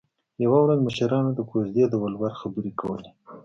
یوه ورځ مشرانو د کوژدې د ولور خبرې کولې